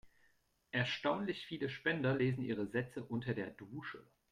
Erstaunlich viele Spender lesen ihre Sätze unter der Dusche.